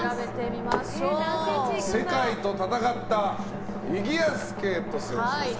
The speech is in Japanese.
世界と戦ったフィギュアスケート選手です。